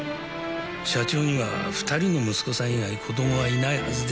社長には２人の息子さん以外子供はいないはずでした。